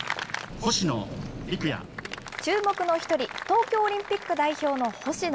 注目の１人、東京オリンピック代表の星野。